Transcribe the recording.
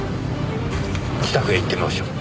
自宅へ行ってみましょう。